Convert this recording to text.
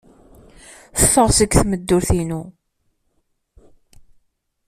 Ffeɣ seg tmeddurt-inu.